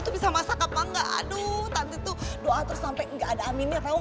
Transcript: tuh bisa masak apa enggak aduh tapi tuh doa terus sampai enggak ada amin ya tau